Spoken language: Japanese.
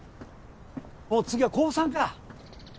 もう次は高３か。